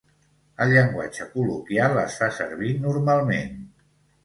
El llenguatge col·loquial es fa servir normalment.